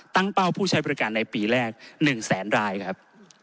เป้าผู้ใช้บริการในปีแรก๑แสนรายครับ